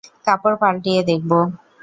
কাপড় পাল্টিয়ে দেখব।